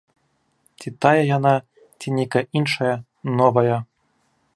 Ці тая яна, ці нейкая іншая, новая.